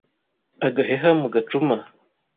Agaheha mu gacuma.